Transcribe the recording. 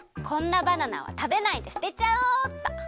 こんなバナナは食べないですてちゃおうっと。